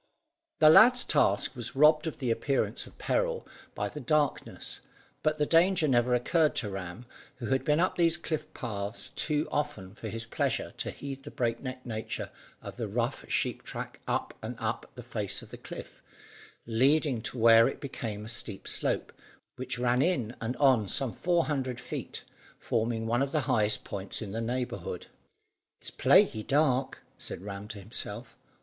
The lad's task was robbed of the appearance of peril by the darkness; but the danger never occurred to Ram, who had been up these cliff paths too often for his pleasure to heed the breakneck nature of the rough sheep track up and up the face of the cliff, leading to where it became a steep slope, which ran in and on some four hundred feet, forming one of the highest points in the neighbourhood. "It's plaguey dark," said Ram to himself.